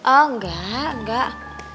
oh enggak enggak